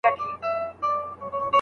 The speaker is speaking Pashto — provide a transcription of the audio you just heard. خاوند کوم ځای ته بيله قيد او شرطه ځي؟